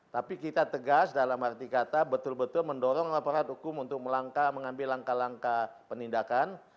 tapi kita tegas dalam arti kata betul betul mendorong laporan hukum untuk mengambil langkah langkah penindakan